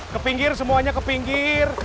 ke pinggir semuanya ke pinggir